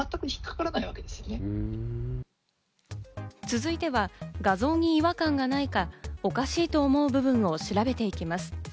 続いては画像に違和感がないか、おかしいと思う部分を調べていきます。